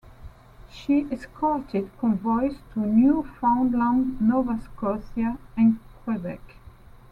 She escorted convoys to Newfoundland, Nova Scotia and Quebec.